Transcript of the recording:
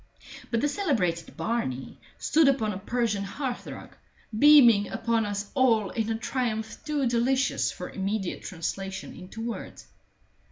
But the celebrated Barney stood upon a Persian hearth rug, beaming upon us all in a triumph too delicious for immediate translation into words.